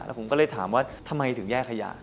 ผมก็เลยถามว่าทำไมถึงแยกขยะ